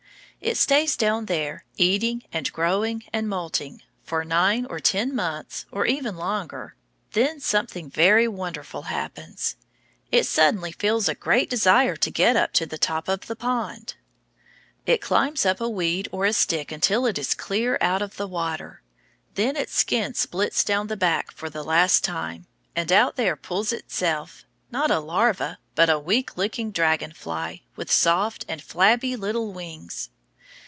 It stays down there, eating and growing and moulting, for nine or ten months or even longer; then something very wonderful happens. It suddenly feels a great desire to get up to the top of the pond. It climbs up a weed or a stick until it is clear out of the water. Then its skin splits down the back for the last time, and out there pulls itself, not a larva, but a weak looking dragon fly, with soft and flabby little wings.